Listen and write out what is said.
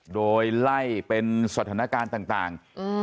โดยไล่เป็นสถานการณ์ต่าง